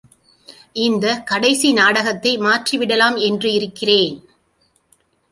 இந்தக் கடைசி நாடகத்தை மாற்றிவிடலாமென்றிருக்கிறேன்.